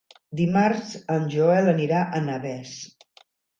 Dimarts en Joel anirà a Navès.